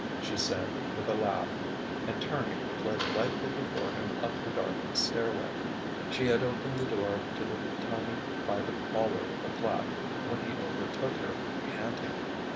she said, with a laugh; and turning fled lightly before him up the darkened stairway. She had opened the door to the tiny private hallway of the flat when he overtook her, panting.